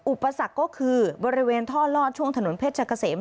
อุปสรรคก็คือบริเวณท่อลอดช่วงถนนเพชรเกษม